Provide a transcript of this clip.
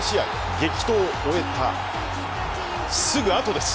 激闘を終えたすぐあとです。